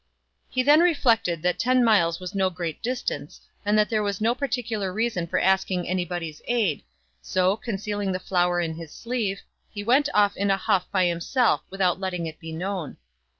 He then reflected that ten miles was no great distance, and that there was no particular reason for asking any body's aid ; so, concealing the flower in his sleeve, he went off in a huff by himself without letting it be known.